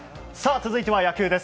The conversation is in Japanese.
続いては野球です。